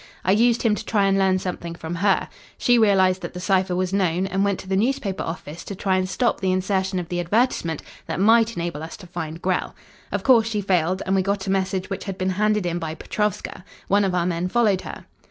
I used him to try and learn something from her. She realised that the cipher was known, and went to the newspaper office to try and stop the insertion of the advertisement that might enable us to find Grell. Of course she failed, and we got a message which had been handed in by Petrovska. One of our men followed her.